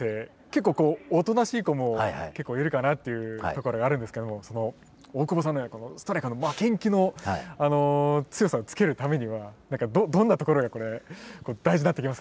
結構おとなしい子も結構いるかなっていうところがあるんですけども大久保さんのようなストライカーの負けん気の強さをつけるためにはどんなところがこれ大事になってきますかね？